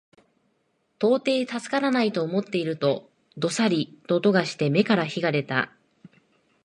到底助からないと思っていると、どさりと音がして眼から火が出た